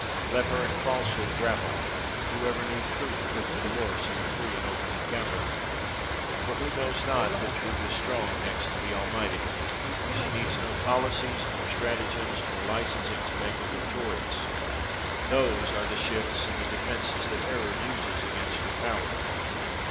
Let her and Falsehood grapple ; whoever knew Truth put to the worse, in a free and open encounter. For who knows not that Truth is strong, next to the Almighty? She needs no policies, nor 112 MILTON stratagems, nor licensings to make her victorious ; those are the shifts and the defenses that error uses against her power.